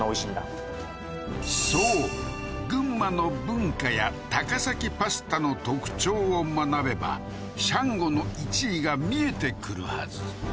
そう群馬の文化や高崎パスタの特徴を学べばシャンゴの１位が見えてくるはず